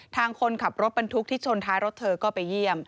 ทางคนขับรถบรรทุกที่ชนท้ายรถเธอก็ไปเยี่ยม